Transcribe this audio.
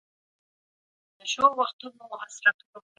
بدې پرېکړې ټولنې ته زيات زيان نه رسوي؟